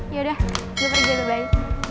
yaudah gue pergi aja bye